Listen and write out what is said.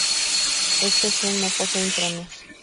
Este gen no posee intrones.